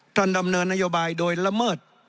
ดำเนินนโยบายโดยละเมิด